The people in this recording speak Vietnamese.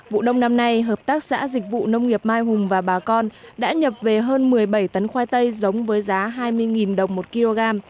vụ đông năm nay hợp tác xã dịch vụ nông nghiệp mai hùng và bà con đã nhập về hơn một mươi bảy tấn khoai tây giống với giá hai mươi đồng một kg